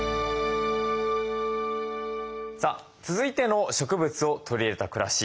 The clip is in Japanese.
さあ続いての植物を取り入れた暮らし